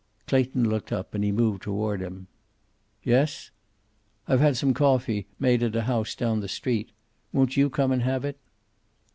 Clayton looked up, and he moved toward him. "Yes?" "I've had some coffee made at a house down the street. Won't you come and have it?"